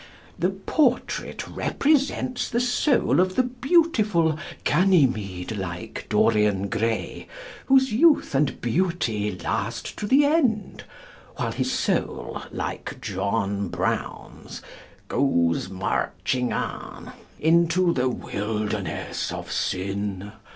The portrait represents the soul of the beautiful Ganymede like Dorian Gray, whose youth and beauty last to the end, while his soul, like John Brown's, "goes marching on," into the Wilderness of Sin.